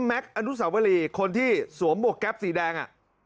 แม็กซ์อนุสาวรีคนที่สวมบวกแก๊ปสีแดง